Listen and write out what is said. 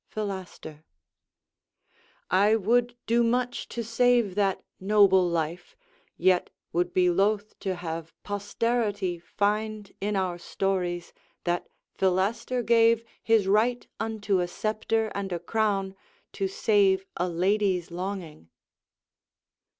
Philaster I would do much to save that noble life, Yet would be loath to have posterity Find in our stories, that Philaster gave His right unto a sceptre and a crown To save a lady's longing.